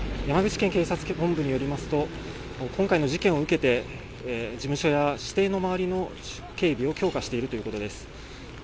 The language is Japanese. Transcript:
山口県警察本部によりますと今回の事件を受けて事務所や私邸の周りの警備を強化しているということです。